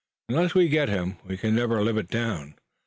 Unless we get him we can never live it down.